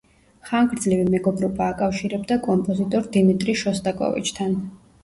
ხანგრძლივი მეგობრობა აკავშირებდა კომპოზიტორ დიმიტრი შოსტაკოვიჩთან.